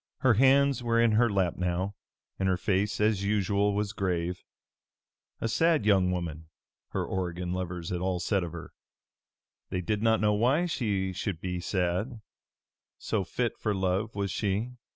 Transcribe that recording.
Her hands were in her lap now, and her face as usual was grave. A sad young woman, her Oregon lovers all said of her. They did not know why she should be sad, so fit for love was she.